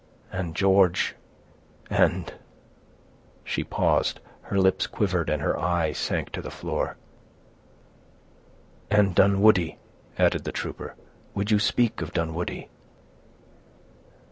And George—and—" she paused, her lip quivered, and her eye sank to the floor. "And Dunwoodie!" added the trooper. "Would you speak of Dunwoodie?"